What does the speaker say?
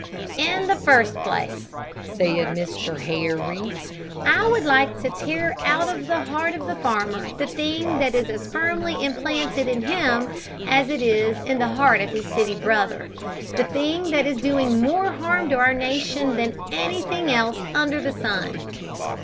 "In the first place," said Mr. Harry, "I would like to tear out of the heart of the farmer the thing that is as firmly implanted in him as it is in the heart of his city brother the thing that is doing more to harm our nation than anything else under the sun."